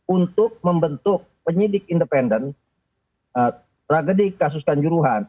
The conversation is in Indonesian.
untuk membentuk penyidik independen tragedi kasus kanjuruhan